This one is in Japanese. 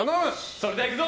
それではいくぞ！